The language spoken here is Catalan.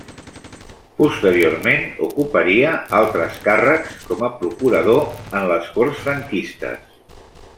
Posteriorment ocuparia altres càrrecs, com a procurador en les Corts franquistes.